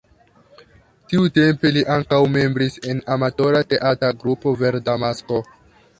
Tiutempe li ankaŭ membris en amatora teatra grupo Verda Masko.